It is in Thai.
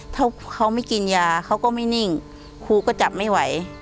ถ้าเขาไม่กินยาเขาก็ไม่นิ่งครูก็จับไม่ไหว